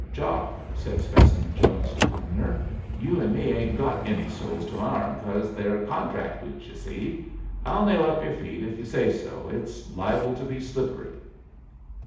"Jock," said Specimen Jones to Cumnor, "you and me 'ain't got any soles to ourn because they're contract boots, y'u see. I'll nail up yer feet if y'u say so. It's liable to be slippery."